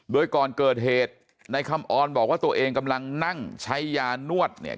โดยก่อนเกิดเหตุในคำออนบอกว่าตัวเองกำลังนั่งใช้ยานวดเนี่ย